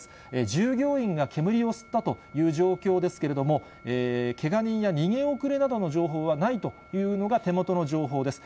従業員が煙を吸ったという状況ですけれども、けが人や逃げ遅れなどの情報はないというのが手元の情報です。